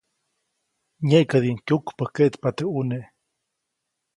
Nyeʼkädiʼuŋ kyukpäjkkeʼtpa teʼ ʼuneʼ.